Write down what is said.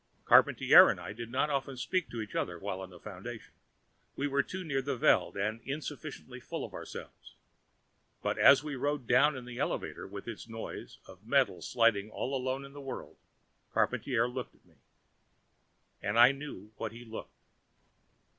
Charpantier and I did not often speak to each other while in the Foundation. We were too near the Veld, and insufficiently full of ourselves. But as we rode down the elevator, with its noise of metal sliding all alone in the world, Charpantier looked at me. And I knew what he looked.